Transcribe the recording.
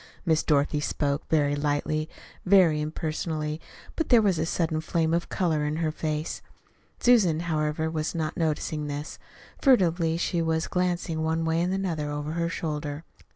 Miss Dorothy spoke very lightly, very impersonally; but there was a sudden flame of color in her face. Susan, however, was not noticing this. Furtively she was glancing one way and another over her shoulder.